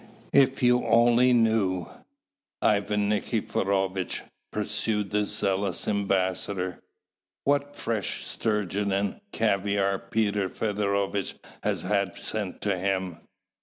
"If you only knew, Ivan Nikiforovitch," pursued the zealous ambassador, "what fresh sturgeon and caviare Peter Feodorovitch has had sent to him!"